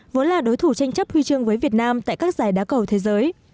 vốn là đối thủ tranh chấp huy chương với việt nam tại các giải đá cầu thế giới